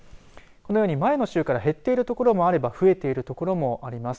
このように前の週から減っている所もあれば増えている所もあります。